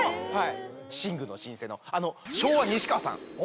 寝具の老舗のあの昭和西川さん。